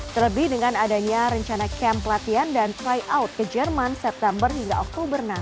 terlebih dengan adanya rencana camp pelatihan dan tryout ke jerman september hingga oktober